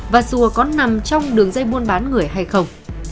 và sùa có nằm trong đường dây muôn bán người hay không